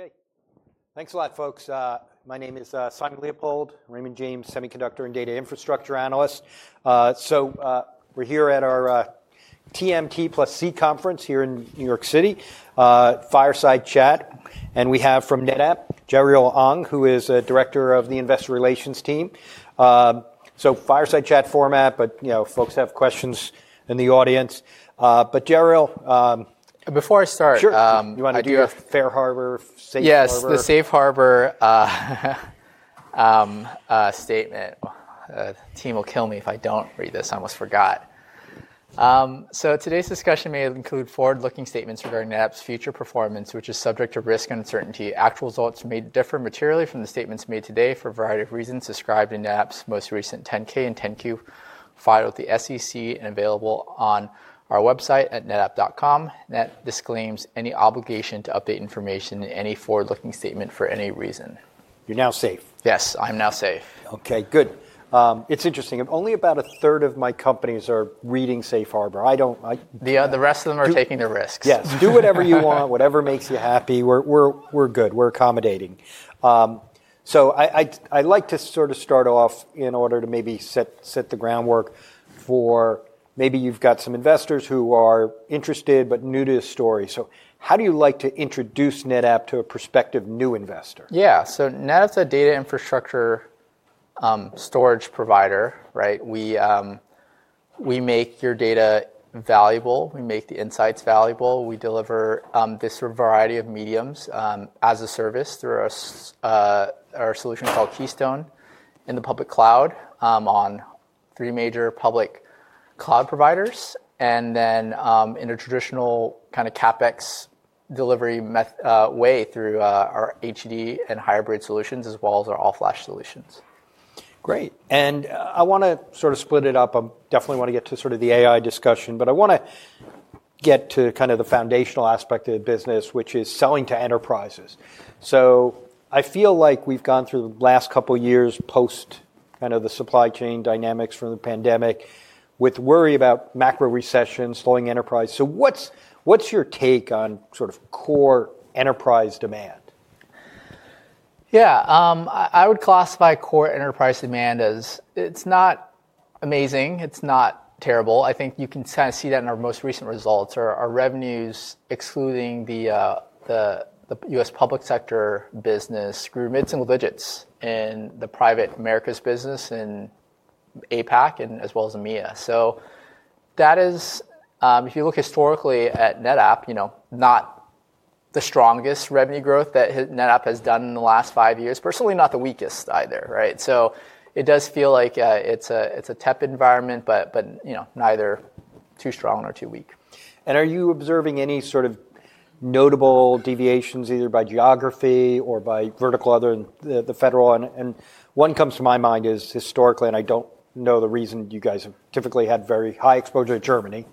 Okay. Thanks a lot, folks. My name is Simon Leopold, Raymond James Semiconductor and Data Infrastructure Analyst. So we're here at our TMT+C conference here in New York City, Fireside Chat. And we have from NetApp, Jeriel Ong, who is a director of the Investor Relations team. So Fireside Chat format, but folks have questions in the audience. But Jeriel. Before I start. Sure. Do you want to do a Safe Harbor? Yes, the Safe Harbor statement. The team will kill me if I don't read this. I almost forgot, so today's discussion may include forward-looking statements regarding NetApp's future performance, which is subject to risk and uncertainty. Actual results may differ materially from the statements made today for a variety of reasons described in NetApp's most recent 10-K and 10-Q filed with the SEC and available on our website at netapp.com. NetApp disclaims any obligation to update information in any forward-looking statement for any reason. You're now safe. Yes, I'm now safe. Okay, good. It's interesting. Only about a third of my companies are reading Safe Harbor. I don't. The rest of them are taking their risks. Yes. Do whatever you want, whatever makes you happy. We're good. We're accommodating. So I'd like to sort of start off in order to maybe set the groundwork for maybe you've got some investors who are interested but new to the story. So how do you like to introduce NetApp to a prospective new investor? Yeah. So NetApp's a data infrastructure storage provider. We make your data valuable. We make the insights valuable. We deliver this variety of mediums as a service through our solution called Keystone in the public cloud on three major public cloud providers, and then in a traditional kind of CapEx delivery way through our HD and hybrid solutions, as well as our all-flash solutions. Great. And I want to sort of split it up. I definitely want to get to sort of the AI discussion, but I want to get to kind of the foundational aspect of the business, which is selling to enterprises. So I feel like we've gone through the last couple of years post kind of the supply chain dynamics from the pandemic with worry about macro recessions, slowing enterprise. So what's your take on sort of core enterprise demand? Yeah. I would classify core enterprise demand as it's not amazing. It's not terrible. I think you can kind of see that in our most recent results. Our revenues, excluding the U.S. public sector business, grew mid-single digits in the private Americas business in APAC, as well as EMEA. So that is, if you look historically at NetApp, not the strongest revenue growth that NetApp has done in the last five years. Historically, not the weakest either. So it does feel like it's a tepid environment, but neither too strong nor too weak. And are you observing any sort of notable deviations either by geography or by vertical other than the federal? And one comes to my mind is historically, and I don't know the reason, you guys have typically had very high exposure to Germany.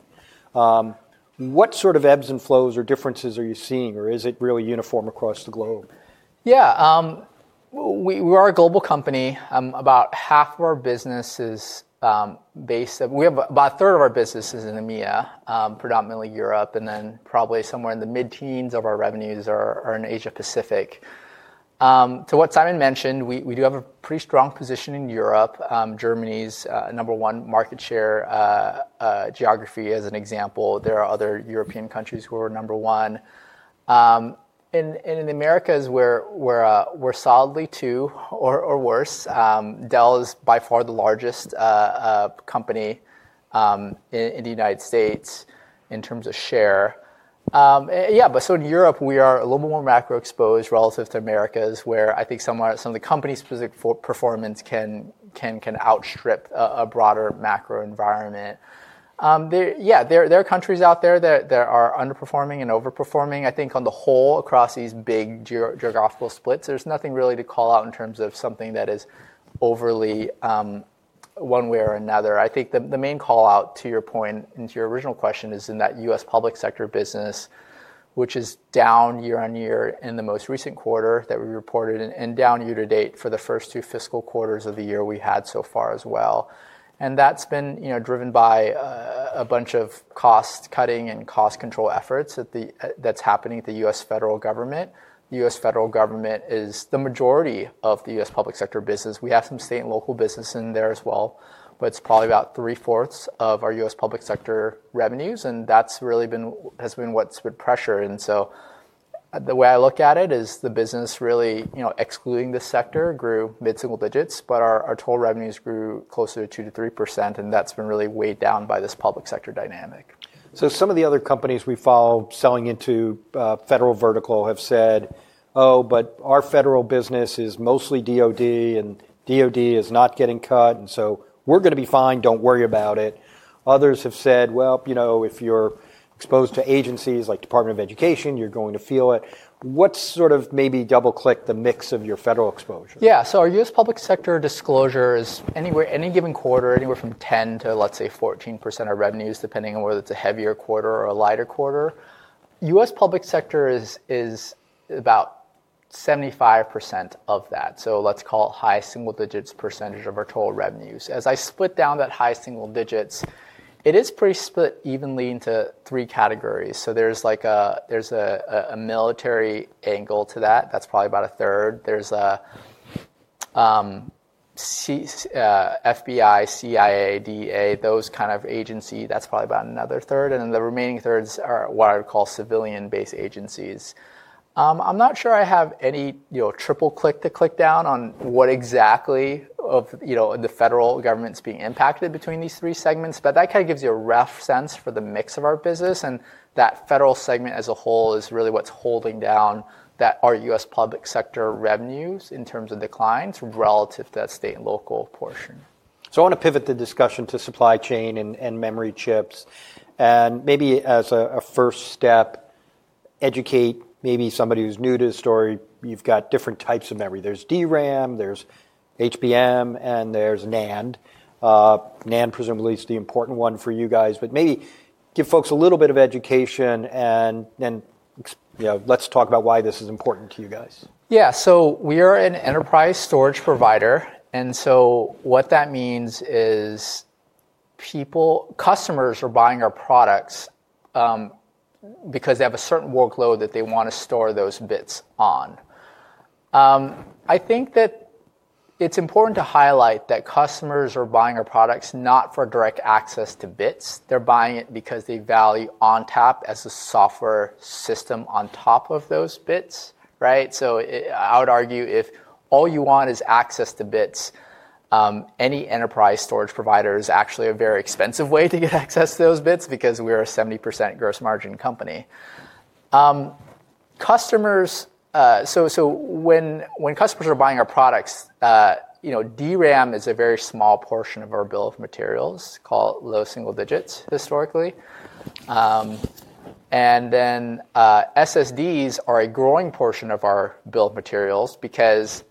What sort of ebbs and flows or differences are you seeing, or is it really uniform across the globe? Yeah. We are a global company. About half of our business is based. We have about a third of our businesses in EMEA, predominantly Europe, and then probably somewhere in the mid-teens of our revenues are in Asia-Pacific. To what Simon mentioned, we do have a pretty strong position in Europe. Germany's number one market share geography as an example. There are other European countries who are number one, and in the Americas, we're solidly two or worse. Dell is by far the largest company in the United States in terms of share. Yeah, but so in Europe, we are a little more macro exposed relative to Americas, where I think some of the company-specific performance can outstrip a broader macro environment. Yeah, there are countries out there that are underperforming and overperforming. I think on the whole, across these big geographical splits, there's nothing really to call out in terms of something that is overly one way or another. I think the main callout to your point and to your original question is in that U.S. public sector business, which is down year on year in the most recent quarter that we reported, and down year to date for the first two fiscal quarters of the year we had so far as well. And that's been driven by a bunch of cost cutting and cost control efforts that's happening at the U.S. federal government. The U.S. federal government is the majority of the U.S. public sector business. We have some state and local business in there as well, but it's probably about three-fourths of our U.S. public sector revenues, and that's really been what's been pressuring. The way I look at it is the business really excluding the sector grew mid-single digits, but our total revenues grew closer to 2%-3%, and that's been really weighed down by this public sector dynamic. So some of the other companies we follow selling into federal vertical have said, "Oh, but our federal business is mostly DOD, and DOD is not getting cut, and so we're going to be fine. Don't worry about it." Others have said, "Well, if you're exposed to agencies like Department of Education, you're going to feel it." What's sort of maybe double-click the mix of your federal exposure? Yeah. So our U.S. public sector disclosure is, any given quarter, anywhere from 10%-14% of revenues, depending on whether it's a heavier quarter or a lighter quarter. U.S. public sector is about 75% of that. So let's call it high single digits % of our total revenues. As I split down that high single digits, it is pretty split evenly into three categories. So there's a military angle to that. That's probably about a third. There's FBI, CIA, DEA, those kind of agencies. That's probably about another third. And then the remaining thirds are what I would call civilian-based agencies. I'm not sure I have any triple-click to click down on what exactly of the federal government's being impacted between these three segments, but that kind of gives you a rough sense for the mix of our business. That federal segment as a whole is really what's holding down our U.S. public sector revenues in terms of declines relative to that state and local portion. So I want to pivot the discussion to supply chain and memory chips. And maybe as a first step, educate maybe somebody who's new to the story. You've got different types of memory. There's DRAM, there's HBM, and there's NAND. NAND presumably is the important one for you guys, but maybe give folks a little bit of education, and then let's talk about why this is important to you guys. Yeah. So we are an enterprise storage provider. And so what that means is customers are buying our products because they have a certain workload that they want to store those bits on. I think that it's important to highlight that customers are buying our products not for direct access to bits. They're buying it because they value ONTAP as a software system on top of those bits. So I would argue if all you want is access to bits, any enterprise storage provider is actually a very expensive way to get access to those bits because we are a 70% gross margin company. So when customers are buying our products, DRAM is a very small portion of our bill of materials called low single digits historically. And then SSDs are a growing portion of our bill of materials because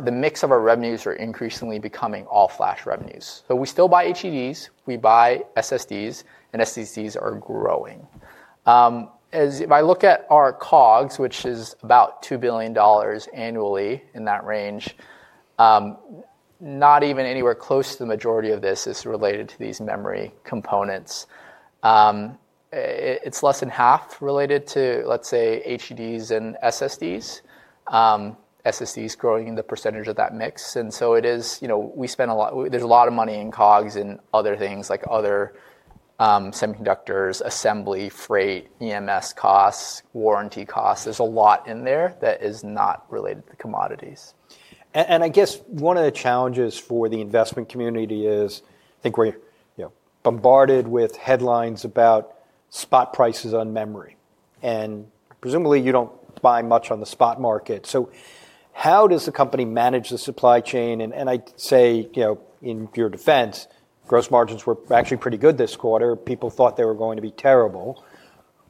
the mix of our revenues are increasingly becoming all-flash revenues. We still buy HEDs. We buy SSDs, and SSDs are growing. If I look at our COGS, which is about $2 billion annually in that range, not even anywhere close to the majority of this is related to these memory components. It's less than half related to, let's say, HDDs and SSDs. SSDs growing the percentage of that mix. And so it is, there's a lot of money in COGS and other things like other semiconductors, assembly, freight, EMS costs, warranty costs. There's a lot in there that is not related to commodities. I guess one of the challenges for the investment community is, I think, we're bombarded with headlines about spot prices on memory. Presumably, you don't buy much on the spot market. How does the company manage the supply chain? I'd say, in your defense, gross margins were actually pretty good this quarter. People thought they were going to be terrible.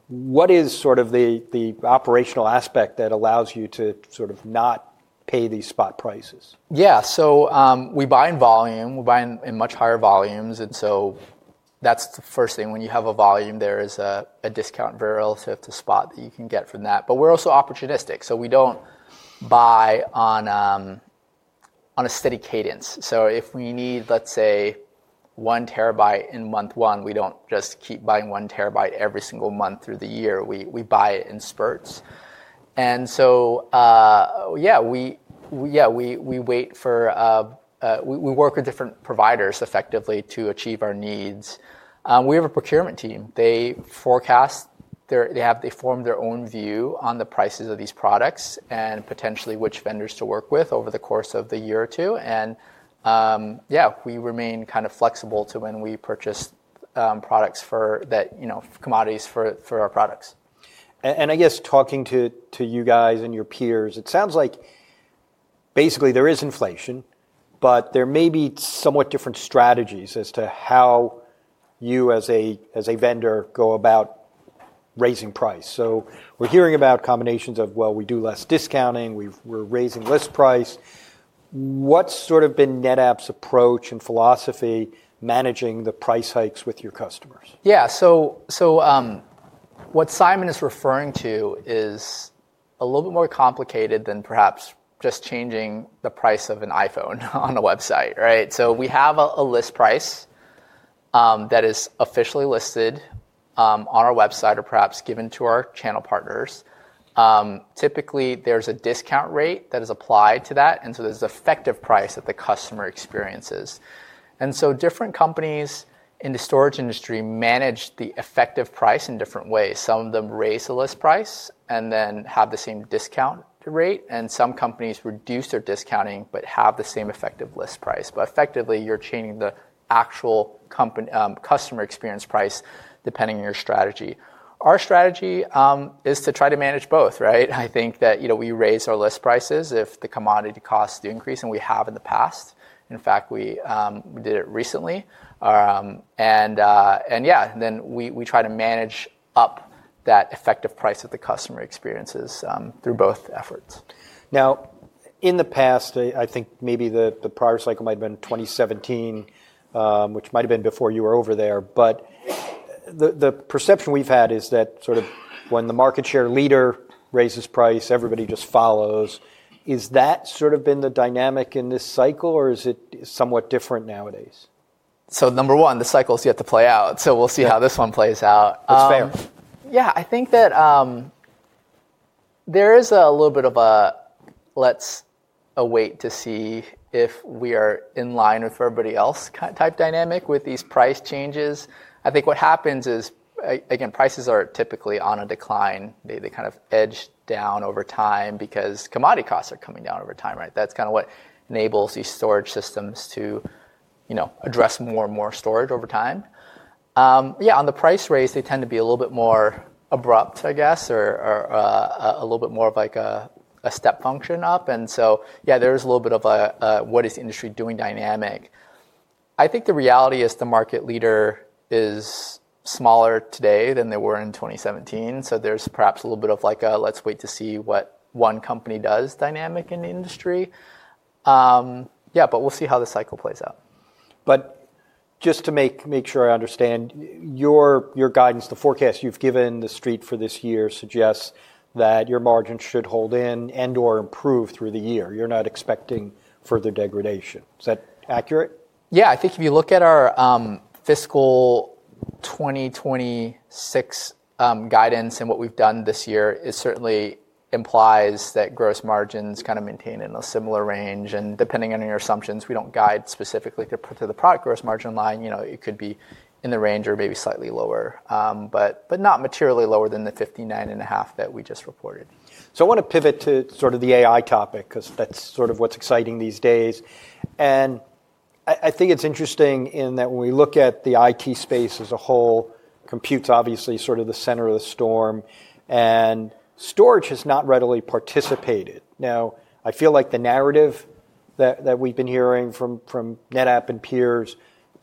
What is sort of the operational aspect that allows you to sort of not pay these spot prices? Yeah. So we buy in volume. We buy in much higher volumes. And so that's the first thing. When you have a volume, there is a discount very relatively to spot that you can get from that. But we're also opportunistic. So we don't buy on a steady cadence. So if we need, let's say, one terabyte in month one, we don't just keep buying one terabyte every single month through the year. We buy it in spurts. And so yeah, we work with different providers effectively to achieve our needs. We have a procurement team. They forecast. They form their own view on the prices of these products and potentially which vendors to work with over the course of the year or two. And yeah, we remain kind of flexible to when we purchase commodities for our products. I guess talking to you guys and your peers, it sounds like basically there is inflation, but there may be somewhat different strategies as to how you as a vendor go about raising price. We're hearing about combinations of, well, we do less discounting. We're raising list price. What's sort of been NetApp's approach and philosophy managing the price hikes with your customers? Yeah. So what Simon is referring to is a little bit more complicated than perhaps just changing the price of an iPhone on a website. So we have a list price that is officially listed on our website or perhaps given to our channel partners. Typically, there's a discount rate that is applied to that. And so there's an effective price that the customer experiences. And so different companies in the storage industry manage the effective price in different ways. Some of them raise the list price and then have the same discount rate. And some companies reduce their discounting but have the same effective list price. But effectively, you're changing the actual customer experience price depending on your strategy. Our strategy is to try to manage both. I think that we raise our list prices if the commodity costs do increase, and we have in the past. In fact, we did it recently, and yeah, then we try to manage up that effective price that the customer experiences through both efforts. Now, in the past, I think maybe the prior cycle might have been 2017, which might have been before you were over there. But the perception we've had is that sort of when the market share leader raises price, everybody just follows. Is that sort of been the dynamic in this cycle, or is it somewhat different nowadays? Number one, the cycle's yet to play out. So we'll see how this one plays out. That's fair. Yeah. I think that there is a little bit of a, let's wait to see if we are in line with everybody else type dynamic with these price changes. I think what happens is, again, prices are typically on a decline. They kind of edge down over time because commodity costs are coming down over time. That's kind of what enables these storage systems to address more and more storage over time. Yeah, on the price raise, they tend to be a little bit more abrupt, I guess, or a little bit more of like a step function up. And so yeah, there is a little bit of a what is the industry doing dynamic. I think the reality is the market leader is smaller today than they were in 2017. So, there's perhaps a little bit of, like, a "let's wait to see what one company does" dynamic in the industry. Yeah, but we'll see how the cycle plays out. But just to make sure I understand, your guidance, the forecast you've given the street for this year suggests that your margin should hold in and/or improve through the year. You're not expecting further degradation. Is that accurate? Yeah. I think if you look at our fiscal 2026 guidance and what we've done this year certainly implies that gross margins kind of maintain in a similar range, and depending on your assumptions, we don't guide specifically to the product gross margin line. It could be in the range or maybe slightly lower, but not materially lower than the 59.5% that we just reported. So I want to pivot to sort of the AI topic because that's sort of what's exciting these days. And I think it's interesting in that when we look at the IT space as a whole, compute's obviously sort of the center of the storm. And storage has not readily participated. Now, I feel like the narrative that we've been hearing from NetApp and peers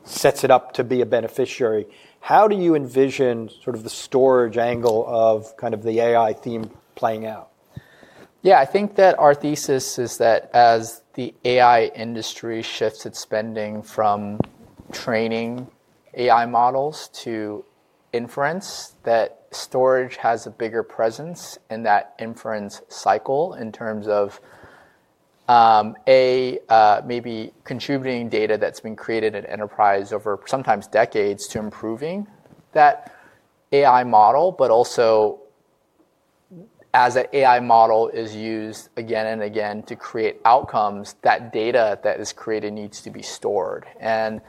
sets it up to be a beneficiary. How do you envision sort of the storage angle of kind of the AI theme playing out? Yeah. I think that our thesis is that as the AI industry shifts its spending from training AI models to inference, that storage has a bigger presence in that inference cycle in terms of A, maybe contributing data that's been created in enterprise over sometimes decades to improving that AI model, but also as that AI model is used again and again to create outcomes, that data that is created needs to be stored. And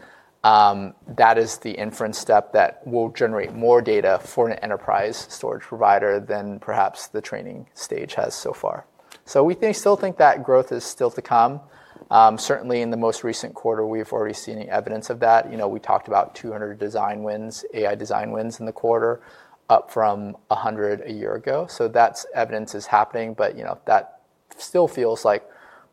that is the inference step that will generate more data for an enterprise storage provider than perhaps the training stage has so far. So we still think that growth is still to come. Certainly, in the most recent quarter, we've already seen evidence of that. We talked about 200 design wins, AI design wins in the quarter, up from 100 a year ago. So that evidence is happening. But that still feels like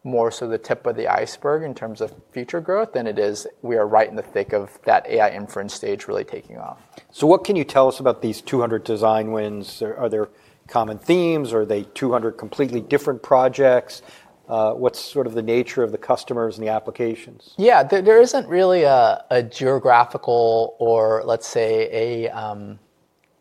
more so the tip of the iceberg in terms of future growth than it is. We are right in the thick of that AI inference stage really taking off. So what can you tell us about these 200 design wins? Are there common themes? Are they 200 completely different projects? What's sort of the nature of the customers and the applications? Yeah. There isn't really a geographical or, let's say, an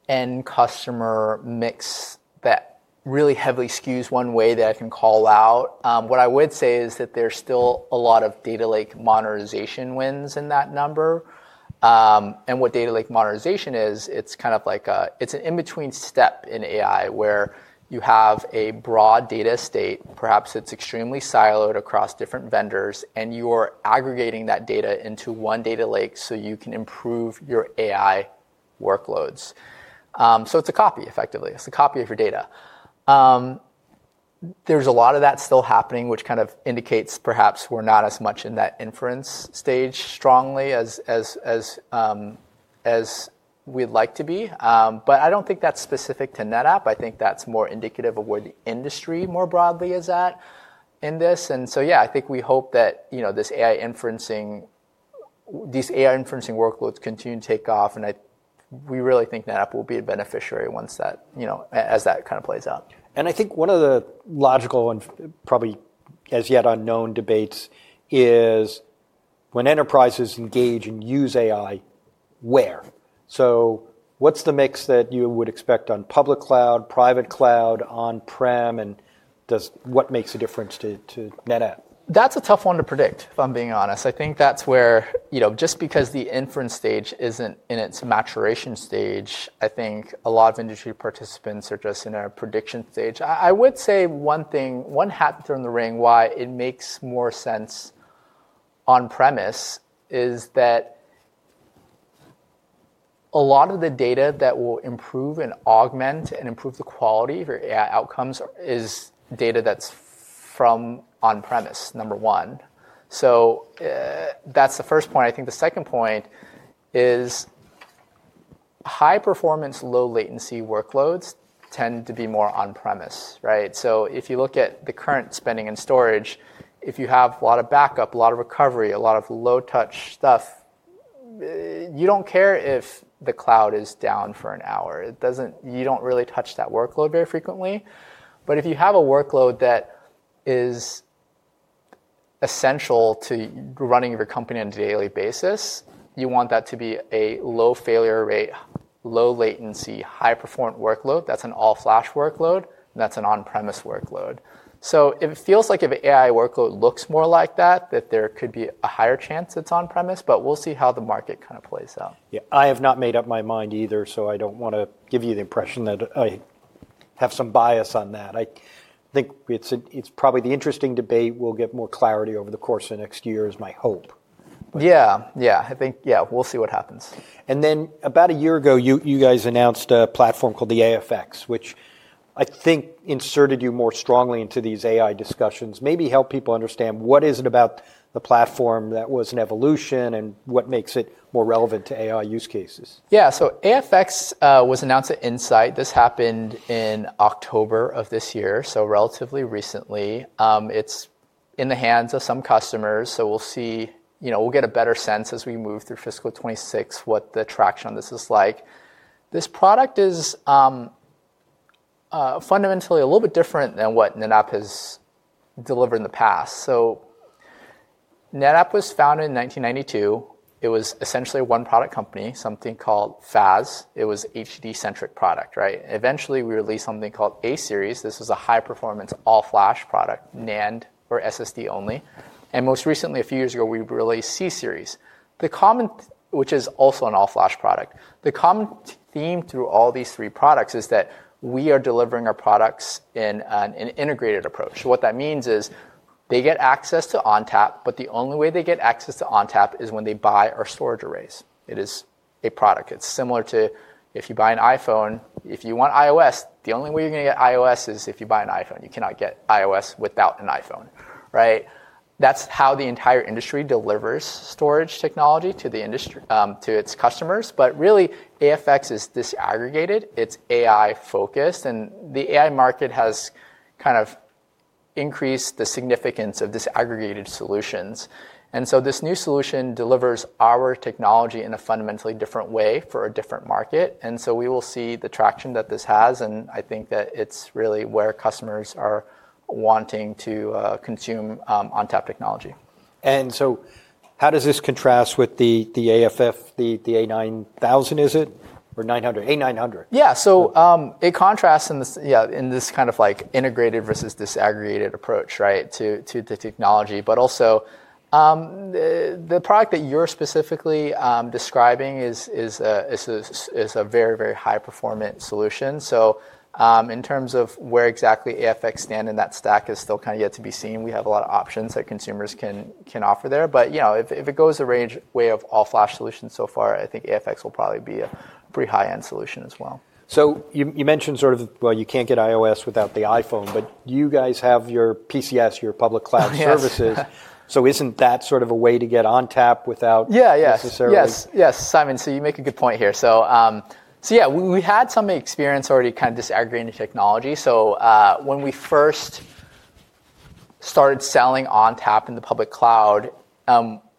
end customer mix that really heavily skews one way that I can call out. What I would say is that there's still a lot of data lake monetization wins in that number. And what data lake monetization is, it's kind of like an in-between step in AI where you have a broad data state. Perhaps it's extremely siloed across different vendors, and you are aggregating that data into one data lake so you can improve your AI workloads. So it's a copy, effectively. It's a copy of your data. There's a lot of that still happening, which kind of indicates perhaps we're not as much in that inference stage strongly as we'd like to be. But I don't think that's specific to NetApp. I think that's more indicative of where the industry more broadly is at in this. And so yeah, I think we hope that these AI inferencing workloads continue to take off. And we really think NetApp will be a beneficiary as that kind of plays out. I think one of the logical and probably as yet unknown debates is when enterprises engage and use AI, where? So what's the mix that you would expect on public cloud, private cloud, on-prem, and what makes a difference to NetApp? That's a tough one to predict, if I'm being honest. I think that's where just because the inference stage isn't in its maturation stage, I think a lot of industry participants are just in a prediction stage. I would say one hat, throw in the ring why it makes more sense on-premise is that a lot of the data that will improve and augment and improve the quality of your AI outcomes is data that's from on-premise, number one. So that's the first point. I think the second point is high performance, low latency workloads tend to be more on-premise. So if you look at the current spending in storage, if you have a lot of backup, a lot of recovery, a lot of low touch stuff, you don't care if the cloud is down for an hour. You don't really touch that workload very frequently. But if you have a workload that is essential to running your company on a daily basis, you want that to be a low failure rate, low latency, high performant workload. That's an all-flash workload. That's an on-premise workload. So it feels like if AI workload looks more like that, that there could be a higher chance it's on-premise. But we'll see how the market kind of plays out. Yeah. I have not made up my mind either, so I don't want to give you the impression that I have some bias on that. I think it's probably the interesting debate. We'll get more clarity over the course of the next year is my hope. Yeah. Yeah. I think, yeah, we'll see what happens. Then about a year ago, you guys announced a platform called the AFF, which I think inserted you more strongly into these AI discussions, maybe helped people understand what is it about the platform that was an evolution and what makes it more relevant to AI use cases. Yeah. So AFF was announced at Insight. This happened in October of this year, so relatively recently. It's in the hands of some customers. So we'll see. We'll get a better sense as we move through fiscal 2026 what the traction on this is like. This product is fundamentally a little bit different than what NetApp has delivered in the past. So NetApp was founded in 1992. It was essentially a one-product company, something called FAS. It was HD-centric product. Eventually, we released something called A-Series. This was a high-performance all-flash product, NAND or SSD only. And most recently, a few years ago, we released C-Series, which is also an all-flash product. The common theme through all these three products is that we are delivering our products in an integrated approach. What that means is they get access to ONTAP, but the only way they get access to ONTAP is when they buy our storage arrays. It is a product. It's similar to if you buy an iPhone. If you want iOS, the only way you're going to get iOS is if you buy an iPhone. You cannot get iOS without an iPhone. That's how the entire industry delivers storage technology to its customers. But really, AFF is disaggregated. It's AI-focused. And the AI market has kind of increased the significance of disaggregated solutions. And so this new solution delivers our technology in a fundamentally different way for a different market. And so we will see the traction that this has. And I think that it's really where customers are wanting to consume ONTAP technology. How does this contrast with the AFF, the A900, is it, or A900? Yeah. So it contrasts in this kind of integrated versus disaggregated approach to the technology. But also, the product that you're specifically describing is a very, very high-performant solution. So in terms of where exactly AFF stand in that stack is still kind of yet to be seen. We have a lot of options that consumers can offer there. But if it goes the way of all-flash solutions so far, I think AFF will probably be a pretty high-end solution as well. So you mentioned sort of, well, you can't get iOS without the iPhone, but you guys have your PCS, your public cloud services. So isn't that sort of a way to get ONTAP without necessarily? Yeah. Yes. Yes, Simon, so you make a good point here. So yeah, we had some experience already kind of disaggregating technology. So when we first started selling ONTAP in the public cloud,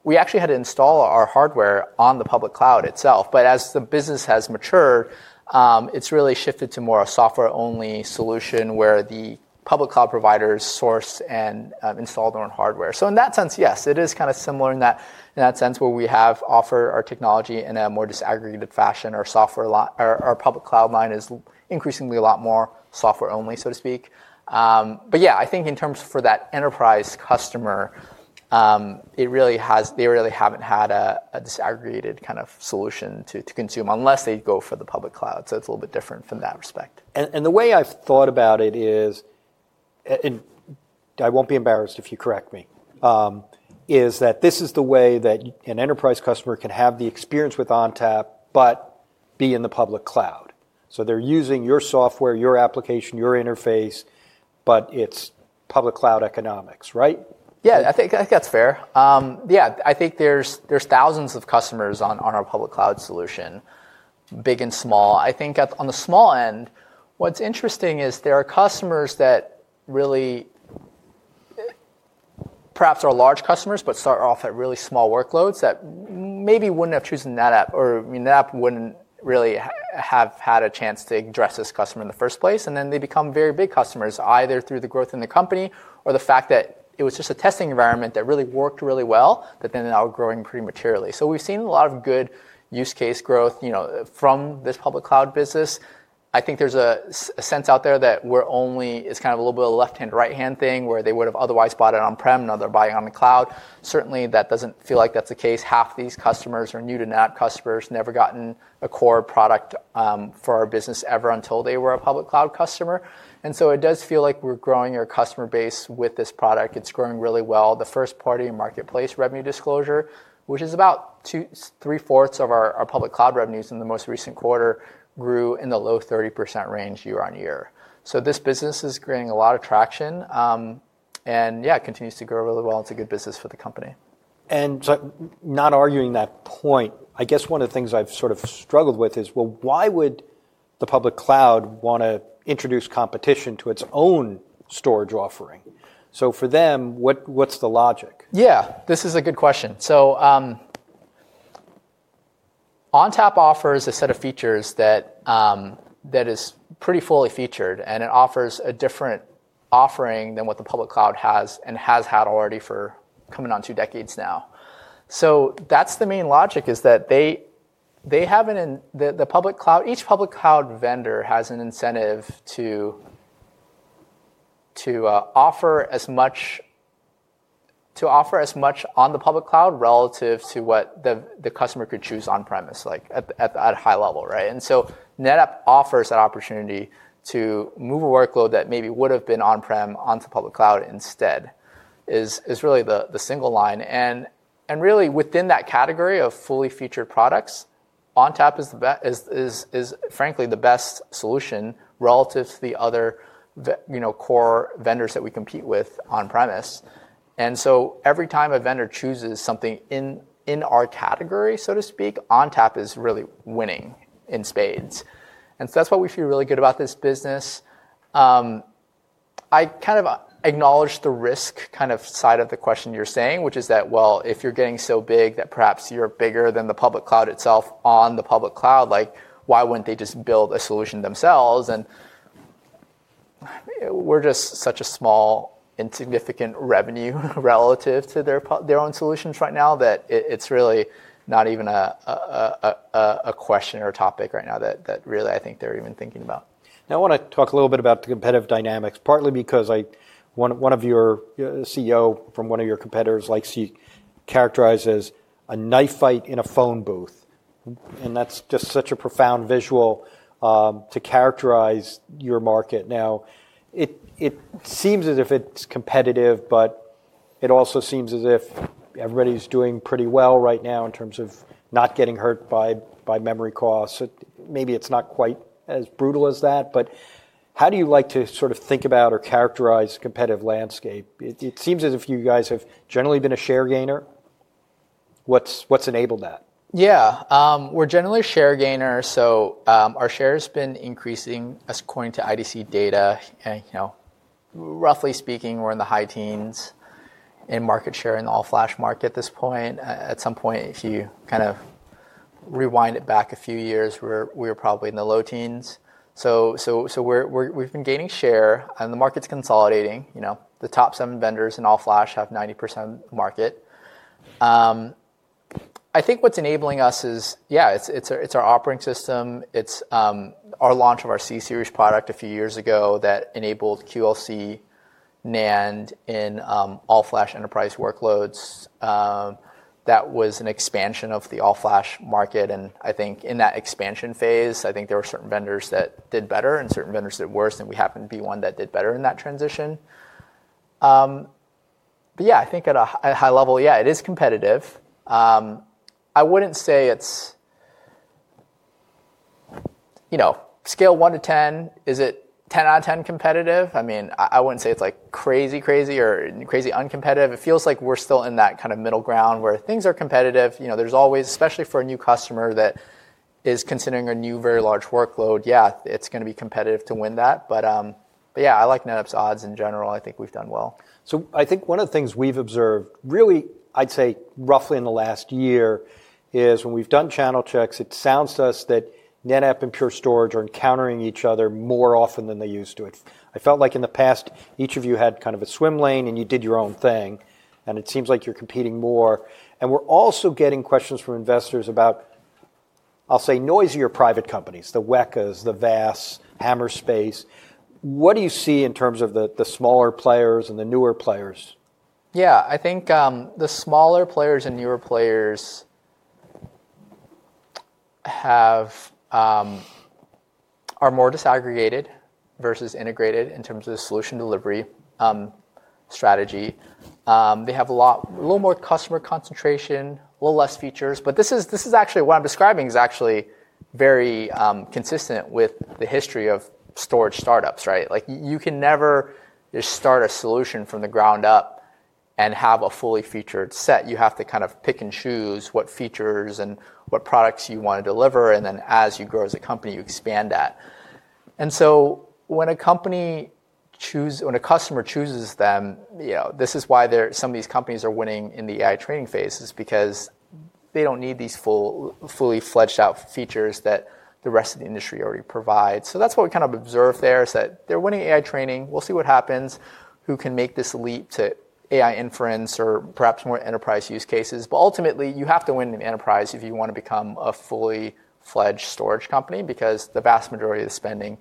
we actually had to install our hardware on the public cloud itself. But as the business has matured, it's really shifted to more a software-only solution where the public cloud providers sourced and installed their own hardware. So in that sense, yes, it is kind of similar in that sense where we have offered our technology in a more disaggregated fashion. Our public cloud line is increasingly a lot more software-only, so to speak. But yeah, I think in terms of that enterprise customer, they really haven't had a disaggregated kind of solution to consume unless they go for the public cloud. So it's a little bit different in that respect. The way I've thought about it is, and I won't be embarrassed if you correct me, is that this is the way that an enterprise customer can have the experience with ONTAP but be in the public cloud. So they're using your software, your application, your interface, but it's public cloud economics, right? Yeah. I think that's fair. Yeah. I think there's thousands of customers on our public cloud solution, big and small. I think on the small end, what's interesting is there are customers that really perhaps are large customers but start off at really small workloads that maybe wouldn't have chosen NetApp or NetApp wouldn't really have had a chance to address this customer in the first place. And then they become very big customers either through the growth in the company or the fact that it was just a testing environment that really worked really well that then they're now growing pretty materially. So we've seen a lot of good use case growth from this public cloud business. I think there's a sense out there that it's kind of a little bit of a left-hand, right-hand thing where they would have otherwise bought it on-prem. Now they're buying on the cloud. Certainly, that doesn't feel like that's the case. Half these customers are new to NetApp customers, never gotten a core product for our business ever until they were a public cloud customer. And so it does feel like we're growing our customer base with this product. It's growing really well. The first-party marketplace revenue disclosure, which is about three-fourths of our public cloud revenues in the most recent quarter, grew in the low 30% range year on year. So this business is gaining a lot of traction. And yeah, it continues to grow really well. It's a good business for the company. And not arguing that point, I guess one of the things I've sort of struggled with is, well, why would the public cloud want to introduce competition to its own storage offering? So for them, what's the logic? Yeah. This is a good question. So ONTAP offers a set of features that is pretty fully featured. And it offers a different offering than what the public cloud has and has had already for coming on two decades now. So that's the main logic is that each public cloud vendor has an incentive to offer as much on the public cloud relative to what the customer could choose on-premise at a high level. And so NetApp offers that opportunity to move a workload that maybe would have been on-prem onto public cloud instead is really the single line. And really, within that category of fully featured products, ONTAP is, frankly, the best solution relative to the other core vendors that we compete with on-premise. And so every time a vendor chooses something in our category, so to speak, ONTAP is really winning in spades. That's what we feel really good about this business. I kind of acknowledge the risk kind of side of the question you're saying, which is that, well, if you're getting so big that perhaps you're bigger than the public cloud itself on the public cloud, why wouldn't they just build a solution themselves? We're just such a small, insignificant revenue relative to their own solutions right now that it's really not even a question or a topic right now that really I think they're even thinking about. Now, I want to talk a little bit about the competitive dynamics, partly because one of your CEO from one of your competitors likes to characterize as a knife fight in a phone booth. And that's just such a profound visual to characterize your market. Now, it seems as if it's competitive, but it also seems as if everybody's doing pretty well right now in terms of not getting hurt by memory costs. Maybe it's not quite as brutal as that. But how do you like to sort of think about or characterize the competitive landscape? It seems as if you guys have generally been a share gainer. What's enabled that? Yeah. We're generally a share gainer, so our share has been increasing according to IDC data. Roughly speaking, we're in the high teens in market share in the all-flash market at this point. At some point, if you kind of rewind it back a few years, we were probably in the low teens, so we've been gaining share, and the market's consolidating. The top seven vendors in all-flash have 90% market. I think what's enabling us is, yeah, it's our operating system. It's our launch of our C-Series product a few years ago that enabled QLC NAND in all-flash enterprise workloads. That was an expansion of the all-flash market, and I think in that expansion phase, I think there were certain vendors that did better and certain vendors that did worse, and we happened to be one that did better in that transition. But yeah, I think at a high level, yeah, it is competitive. I wouldn't say it's scale one to 10, is it 10 out of 10 competitive? I mean, I wouldn't say it's like crazy, crazy or crazy uncompetitive. It feels like we're still in that kind of middle ground where things are competitive. There's always, especially for a new customer that is considering a new very large workload, yeah, it's going to be competitive to win that. But yeah, I like NetApp's odds in general. I think we've done well. I think one of the things we've observed, really, I'd say roughly in the last year is when we've done channel checks, it sounds to us that NetApp and Pure Storage are encountering each other more often than they used to. I felt like in the past, each of you had kind of a swim lane, and you did your own thing. It seems like you're competing more. We're also getting questions from investors about, I'll say, noisier private companies, the Wekas, the VAST, Hammerspace. What do you see in terms of the smaller players and the newer players? Yeah. I think the smaller players and newer players are more disaggregated versus integrated in terms of the solution delivery strategy. They have a little more customer concentration, a little less features. But this is actually what I'm describing is actually very consistent with the history of storage startups. You can never just start a solution from the ground up and have a fully featured set. You have to kind of pick and choose what features and what products you want to deliver. And then as you grow as a company, you expand that. And so when a customer chooses them, this is why some of these companies are winning in the AI training phase is because they don't need these fully fledged out features that the rest of the industry already provides. So that's what we kind of observe there is that they're winning AI training. We'll see what happens. Who can make this leap to AI inference or perhaps more enterprise use cases? But ultimately, you have to win in enterprise if you want to become a fully fledged storage company because the vast majority of the spending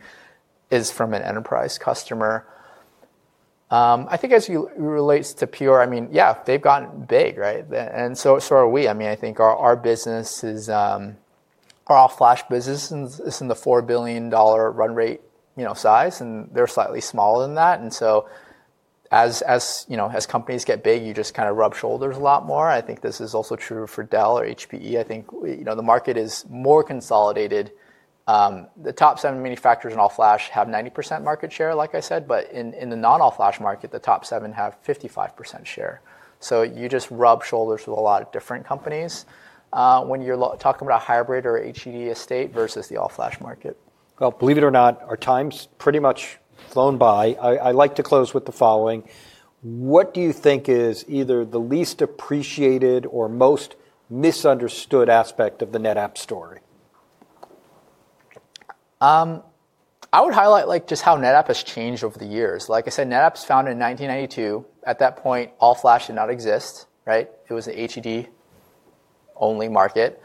is from an enterprise customer. I think as it relates to Pure, I mean, yeah, they've gotten big. And so are we. I mean, I think our business, our all-flash business is in the $4 billion run rate size. And they're slightly smaller than that. And so as companies get big, you just kind of rub shoulders a lot more. I think this is also true for Dell or HPE. I think the market is more consolidated. The top seven manufacturers in all-flash have 90% market share, like I said. But in the non-all-flash market, the top seven have 55% share. You just rub shoulders with a lot of different companies when you're talking about a hybrid or HDD estate versus the all-flash market. Believe it or not, our time's pretty much flown by. I like to close with the following. What do you think is either the least appreciated or most misunderstood aspect of the NetApp story? I would highlight just how NetApp has changed over the years. Like I said, NetApp was founded in 1992. At that point, all-flash did not exist. It was an HDD-only market.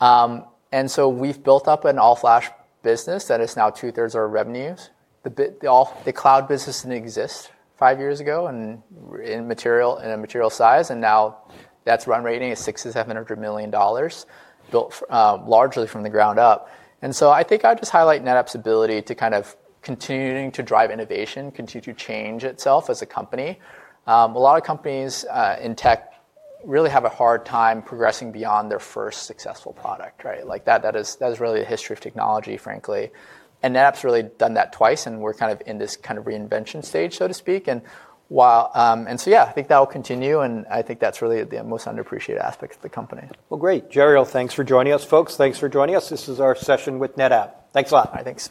And so we've built up an all-flash business that is now two-thirds of our revenues. The cloud business didn't exist five years ago in a material size. And now that's run rate at $6.7 billion, built largely from the ground up. And so I think I'd just highlight NetApp's ability to kind of continue to drive innovation, continue to change itself as a company. A lot of companies in tech really have a hard time progressing beyond their first successful product. That is really the history of technology, frankly. And NetApp's really done that twice. And we're kind of in this kind of reinvention stage, so to speak. And so yeah, I think that will continue. I think that's really the most underappreciated aspect of the company. Great. Jeriel, thanks for joining us. Folks, thanks for joining us. This is our session with NetApp. Thanks a lot. I think.